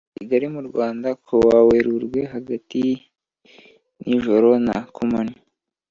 Kigali mu rwanda ku wa werurwe hagati yanijoro na kumanywa